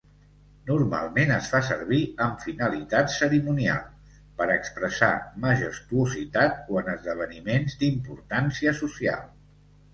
Normalment es fa servir amb finalitat cerimonial, per expressar majestuositat o en esdeveniments d'importància social.